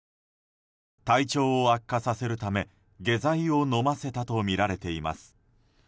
体調を悪化させるため、下剤を飲ませたとみられています。